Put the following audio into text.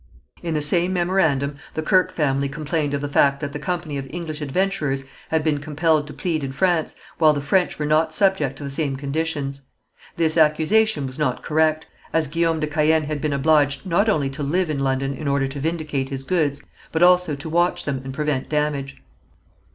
In the same memorandum the Kirke family complained of the fact that the Company of English Adventurers had been compelled to plead in France, while the French were not subject to the same conditions. This accusation was not correct, as Guillaume de Caën had been obliged not only to live in London in order to vindicate his goods, but also to watch them and prevent damage.